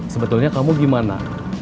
sebetulnya kamu gimana